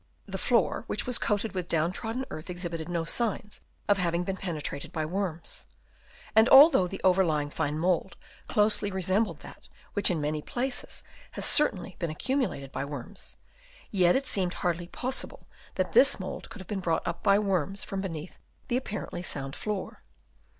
the floor which was coated with trodden down earth exhibited no signs of having been penetrated by worms ; and although the overlying fine mould closely resembled that which in many 186 BURIAL OF THE REMAINS Chap. IV. places has certainly been accumulated by worms, yet it seemed hardly possible that this mould could have been brought up by worms from beneath the apparently sound floor.